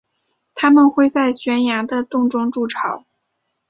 它们会在悬崖的洞中筑巢。